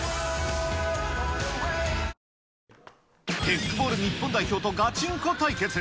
テックボール日本代表とガチンコ対決。